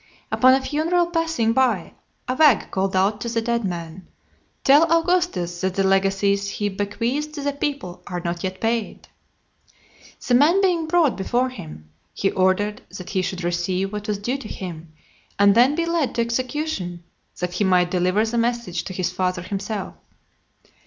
Upon a funeral passing by, a wag called out to the dead man, "Tell Augustus, that the legacies he bequeathed to the people are not yet paid." The man being brought before him, he ordered that he should receive what was due to him, and then be led to execution, that he might deliver the message to his father himself.